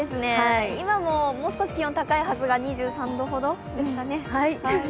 今ももう少し高いはずが、２３度ほどですかね。